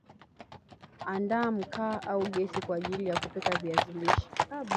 Andaa mkaa au gesi kwa ajili ya kupika viazi lishe